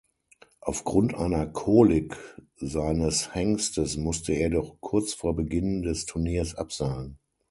Aufgrund einer Kolik seines Hengstes musste er jedoch kurz vor Beginn des Turniers absagen.